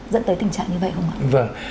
dẫn tới tình trạng như vậy không ạ